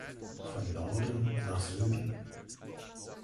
Von Norden nach Süden